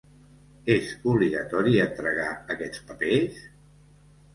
És obligatori entregar aquests papers?